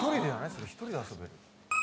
それ１人で遊べる。